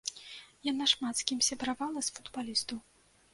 Яна шмат з кім сябравала з футбалістаў.